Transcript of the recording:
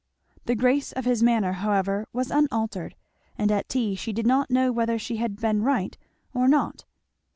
The grace of his manner, however, was unaltered; and at tea she did not know whether she had been right or not.